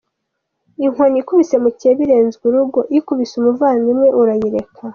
Inkoni ikubise mukeba irenzwa urugo, ikubise umuvandimwe urayireka?.